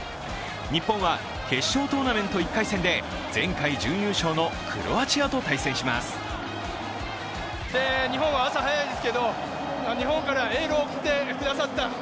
日本は決勝トーナメント１回戦で前回準優勝のクロアチアと対戦します。